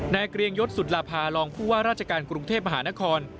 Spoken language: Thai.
เกรียงยศสุลาภารองผู้ว่าราชการกรุงเทพมหานคร